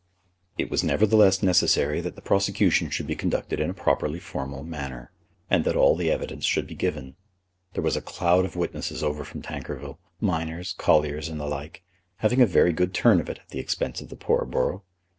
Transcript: It was nevertheless necessary that the prosecution should be conducted in a properly formal manner, and that all the evidence should be given. There was a cloud of witnesses over from Tankerville, miners, colliers, and the like, having a very good turn of it at the expense of the poor borough.